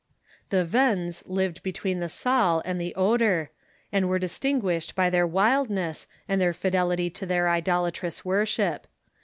The Wends lived between the Saale and the Oder, and were distinguished for their Avildness and their fidelity to their idolatrous worship.